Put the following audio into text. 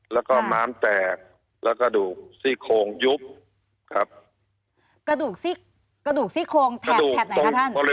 แล้วก็ม้ามแตกแล้วกระดูกซี่โครงยุบครับกระดูกซี่กระดูกซี่โครงแถบแถบไหนคะท่าน